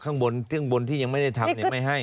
ข้างบนที่ยังไม่ได้ทำยังไม่ให้